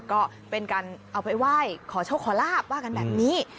ก็เป็นการเอาไปไหว้ขอโชคขอลาบว่ากันแบบนี้